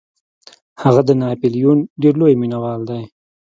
هغه د ناپلیون ډیر لوی مینوال دی.